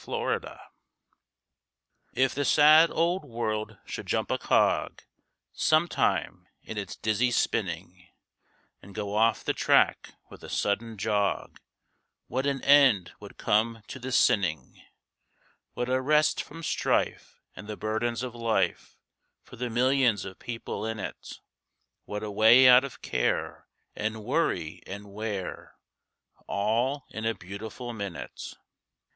INTO SPACE If the sad old world should jump a cog Sometime, in its dizzy spinning, And go off the track with a sudden jog, What an end would come to the sinning, What a rest from strife and the burdens of life For the millions of people in it, What a way out of care, and worry and wear, All in a beautiful minute.